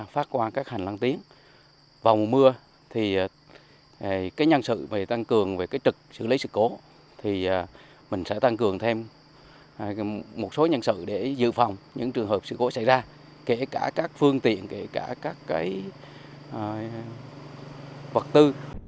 phát quan các hành lang tiếng vào mùa mưa thì nhân sự tăng cường về trực xử lý sự cố mình sẽ tăng cường thêm một số nhân sự để giữ phòng những trường hợp sự cố xảy ra kể cả các phương tiện kể cả các vật tư